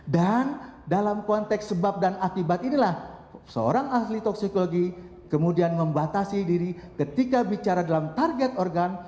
dan dalam konteks sebab dan akibat inilah seorang ahli toksikologi kemudian membatasi diri ketika bicara dalam target organ